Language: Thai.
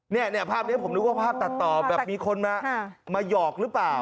เนี่ยภาพนี้ผมนึกว่าภาพตัดต่อแบบมีคนมาหยอกหรือเปล่า